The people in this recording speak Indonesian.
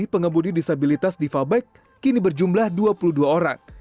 pengembudi disabilitas diva bike kini berjumlah dua puluh dua orang